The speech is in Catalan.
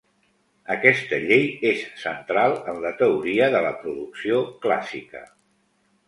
Aquesta llei és central en la teoria de la producció clàssica.